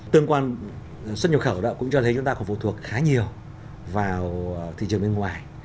tương quan xuất nhập khẩu cũng cho thấy chúng ta còn phụ thuộc khá nhiều vào thị trường bên ngoài